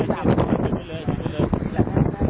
จากฐานลัพธ์ให้นายวุฒิเตอร์กำขอบคุณค่ะ